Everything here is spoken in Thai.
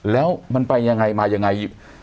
แล้วมันไปยังไงมายังไง